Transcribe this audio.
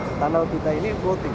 di sini kan boleh dikatakan ini floating